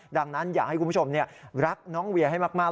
ดังนั้นอยากให้คุณผู้ชมรักน้องเวียให้มาก